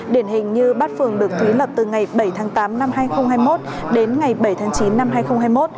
điển hình như bát phường được thúy lập từ ngày bảy tháng tám năm hai nghìn hai mươi một đến ngày bảy tháng chín năm hai nghìn hai mươi một